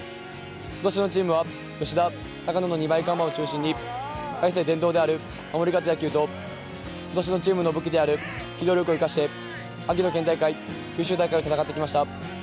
今年のチームは、吉田、高野の２枚看板を中心に海星伝統である、守り勝つ野球と今年のチームの武器である機動力を生かして秋の県大会、九州大会を戦ってきました。